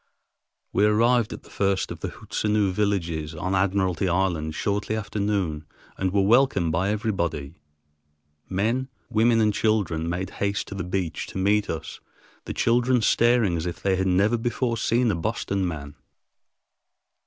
We arrived at the first of the Hootsenoo villages on Admiralty Island shortly after noon and were welcomed by everybody. Men, women, and children made haste to the beach to meet us, the children staring as if they had never before seen a Boston man.